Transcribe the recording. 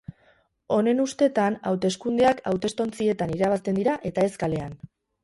Honen ustetan, hauteskundeak hautestontzietan irabazten dira eta ez kalean.